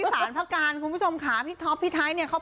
หลักกาลคุณผู้ชมค่ะพี่ท๊อปพี่ไท้เนี่ยเขา